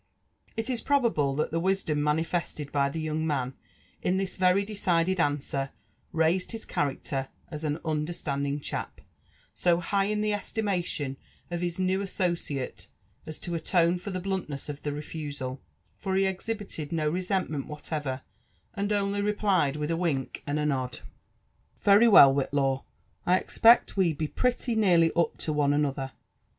, It is probable that the wisdom manifested by the young man in th^ very decided answer raised his character as an '* understandingchap " so high in the estimation of his new associate as to atone for the biuntness of the refusal; for he exhibited no resentment whatever and ouly re fii»i with a wink and a nod» JONATHAN JEFFERSON WHITLAW. igft •'Very 'Well, Whillaw : I eipect we be prelly nearly up to one an olher."